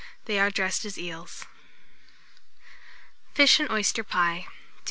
They are dressed as eels. FISH AND OYSTER PIE. 257.